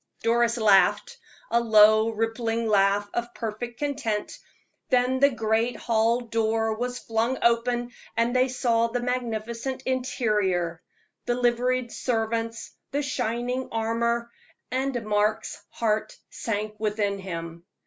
Doris laughed, a low, rippling laugh of perfect content; then the great hall door was flung open, and they saw the magnificent interior, the liveried servants, the shining armor, and Mark's heart sank within him.